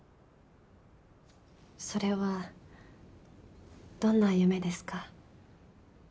それはどんな夢ですか？